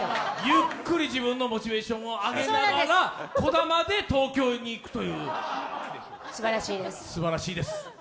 ゆっくり自分のモチベーションを上げながら、こだまで東京に行くという、すばらしいです。